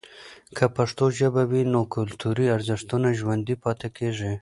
که پښتو ژبه وي، نو کلتوري ارزښتونه ژوندۍ پاتې کیږي.